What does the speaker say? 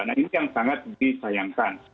nah ini yang sangat disayangkan